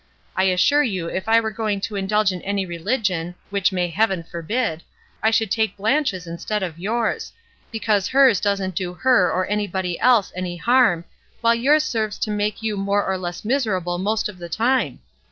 I assure you, if I were going to indulge in any religion, which may Heaven forbid, I should take Blanche's kind instead of yours; because hers doesn't do her or anybody else any harm, while yours serves to make you more or less miserable most of the time.